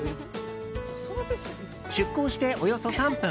出航しておよそ３分。